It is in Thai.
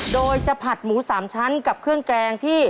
โดยจะผัดหมู๓ชั้นกับเครื่องแกงที่